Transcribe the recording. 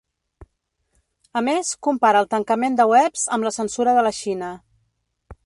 A més, compara el tancament de webs amb la censura de la Xina.